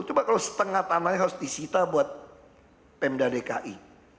coba kalau setengah tanahnya harus disita buat pemda dki